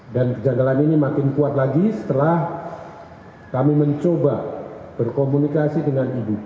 dan kejanggalan ini makin kuat lagi setelah kami mencoba berkomunikasi dengan ibu p